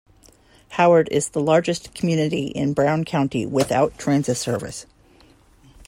Howard is the largest community in Brown County without transit service.